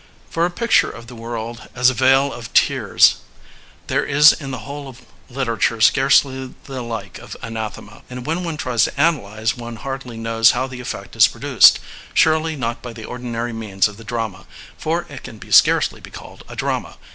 For a picture of the world as a vale of tears there is in the whole of literature scarcely the like of Anathema. And when one tries to analyze one hardly knows how the effect is produced. Surely not by the ordinary means of the drama, for it can scarcely be called a drama.